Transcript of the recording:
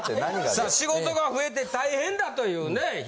さあ仕事が増えて大変だというね。